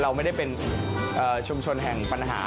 เราไม่ได้เป็นชุมชนแห่งปัญหา